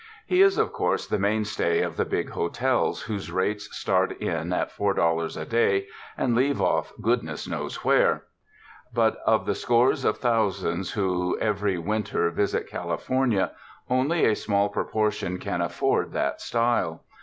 He is, of course, the mainstay of tlie big hotels whose rates start in at four dol lars a day and leave off goodness knows where; but of the scores of thousands who every winter visit California, only a small proportion can afford that style.